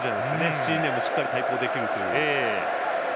７人でもしっかり対抗できると。